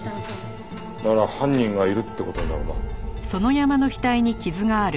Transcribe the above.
なら犯人がいるって事になるな。